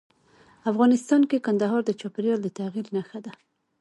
افغانستان کې کندهار د چاپېریال د تغیر نښه ده.